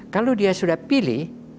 kalau dia sudah pilih